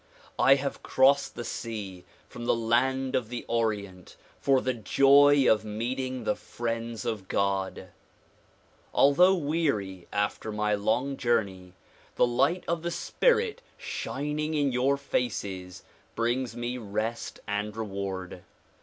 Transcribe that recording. I have crossed the sea from the land of the Orient for the joy of meeting the friends of God. Although weary after my long journey, the light of the spirit shin ing in your faces brings me rest and reward.